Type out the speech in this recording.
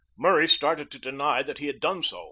Murray started to deny that he had done so.